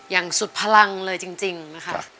อย่างสุดพลังเลยจริงนะคะ